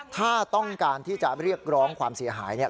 ถ้าต้องการที่จะเรียกร้องความเสียหายเนี่ย